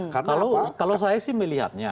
kalau saya sih melihatnya